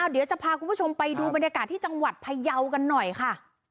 เดี๋ยวจะพาคุณผู้ชมไปดูบรรยากาศที่จังหวัดพยาวกันหน่อยค่ะ